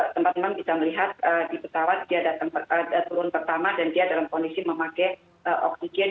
teman teman bisa melihat di pesawat dia turun pertama dan dia dalam kondisi memakai oksigen